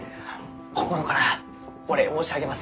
心からお礼申し上げます。